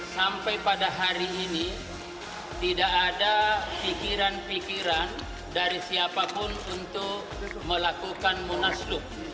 sampai pada hari ini tidak ada pikiran pikiran dari siapapun untuk melakukan munaslup